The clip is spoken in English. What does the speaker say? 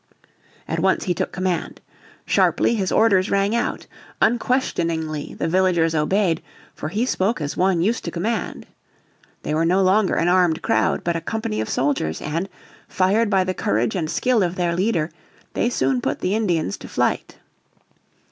At once he took command. Sharply his orders rang out. Unquestioningly the villagers obeyed, for he spoke as one used to command. They were no longer an armed crowd, but a company of soldiers, and, fired by the courage and skill of their leader, they soon put the Indians to flight.